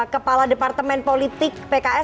kepala departemen politik pks